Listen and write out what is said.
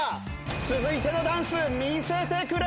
続いてのダンス見せてくれ！